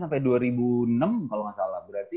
sampai dua ribu enam kalo gak salah berarti